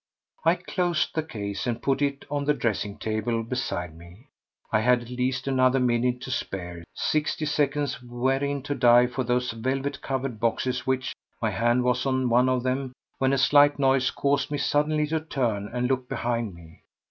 I closed the case and put it on the dressing table beside me. I had at least another minute to spare—sixty seconds wherein to dive for those velvet covered boxes which— My hand was on one of them when a slight noise caused me suddenly to turn and to look behind me.